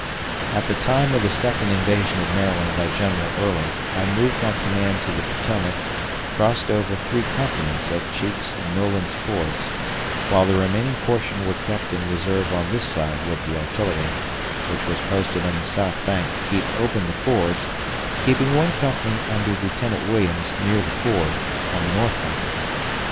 At the time of the second invasion of Maryland by General Early, I moved my command to the Potomac, crossed over 3 companies at Cheek's and Noland's Fords, while the remaining portion was kept in reserve on this side with the artillery, which was posted on the south bank to keep open the fords, keeping one company, under Lieutenant Williams, near the ford, on the north bank.